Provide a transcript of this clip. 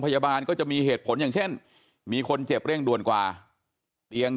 ก็จะมีเหตุผลอย่างเช่นมีคนเจ็บเร่งด่วนกว่าเตียง